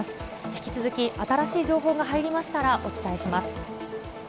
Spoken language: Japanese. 引き続き新しい情報が入りましたらお伝えします。